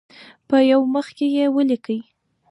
په یو مخ کې یې ولیکئ.